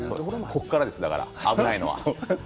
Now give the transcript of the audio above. ここからです、危ないのは。